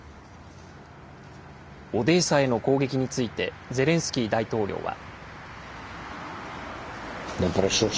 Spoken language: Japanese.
オデーサへの攻撃について、ゼレンスキー大統領は。